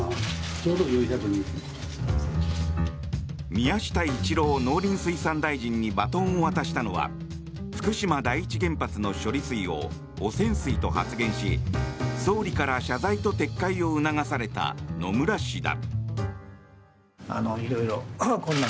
宮下一郎農林水産大臣にバトンを渡したのは福島第一原発の処理水を汚染水と発言し総理から謝罪と撤回を促された野村氏だ。